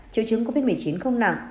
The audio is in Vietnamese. triệu chứng covid một mươi chín không nặng